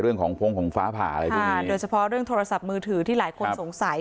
เรื่องของพงของฟ้าผ่าอะไรด้วยค่ะโดยเฉพาะเรื่องโทรศัพท์มือถือที่หลายคนสงสัย